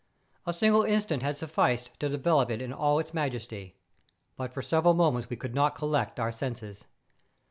A single instant had sufficed to develope it in all its majesty; but for several moments we could not collect our senses.